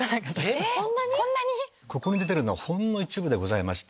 こんなに⁉ここに出てるのはほんの一部でございまして。